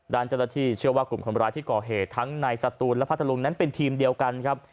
ด้านเจ้าหน้าที่เชื่อว่ากลุ่มคนร้ายที่ก่อเหตุทั้งในสตูนและพัทธรุงนั้นเป็นทีมเดียวกันครับ